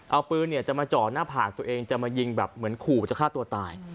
เอาปืนจะมาเจาะหน้าผากตัวเองจะมายิงแบบเหมือนขู่จะฆ่าตัวตาย